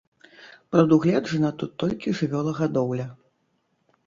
Прадугледжана тут толькі жывёлагадоўля.